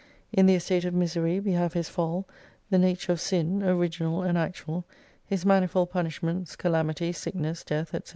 In the estate of misery, we have his fall, the nature of Sin, original and actual ; his manifold punishments, calamity, sickness, death, &c.